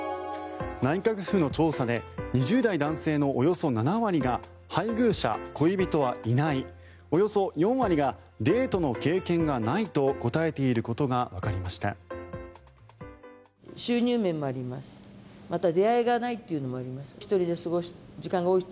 内閣府の調査で２０代男性のおよそ７割が配偶者、恋人はいないおよそ４割がデートの経験がないと答えていることがわかりました。